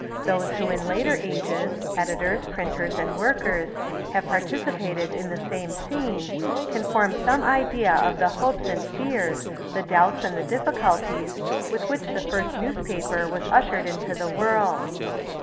Those who in later ages, editors, printers, and workers have participated in the same scene, can form some idea of the hopes and fears, the doubts and the difficulties, with which the first newspaper was ushered into the world.